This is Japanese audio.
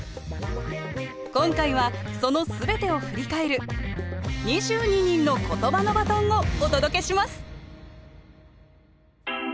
今回はその全てを振り返る「２２人のことばのバトン」をお届けします